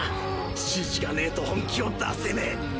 指示がねぇと本気を出せねぇ